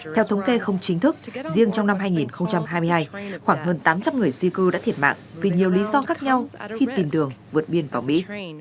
theo thống kê không chính thức riêng trong năm hai nghìn hai mươi hai khoảng hơn tám trăm linh người di cư đã thiệt mạng vì nhiều lý do khác nhau khi tìm đường vượt biên vào mỹ